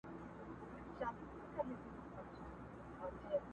یوه سوی وه راوتلې له خپل غاره!!